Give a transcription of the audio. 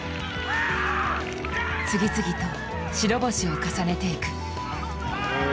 次々と白星を重ねていく。